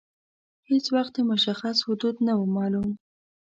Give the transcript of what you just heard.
هیڅ وخت یې مشخص حدود نه وه معلوم.